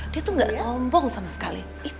dia tuh gak sombong sama sekali